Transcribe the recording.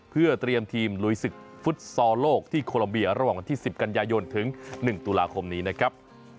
เพื่อเตรียมทีมลุยศึกฟุตซอลโลกที่โคลัมเบียระหว่างวันที่๑๐กันยายนถึง๑ตุลาคมนี้นะครับ